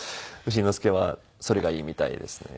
丑之助はそれがいいみたいですね